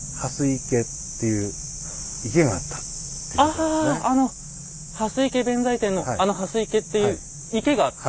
ああの「蓮池弁財天」のあの「蓮池」っていう池があった？